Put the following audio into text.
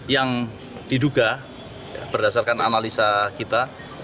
yang diduga berdasarkan analisa kita